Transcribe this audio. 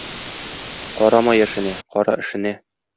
Карама яшенә, кара эшенә.